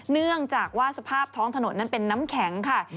เนื่องจากว่าสภาพท้องถนนนั้นเป็นน้ำแข็งค่ะ